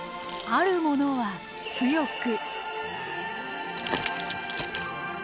あるものは美しく。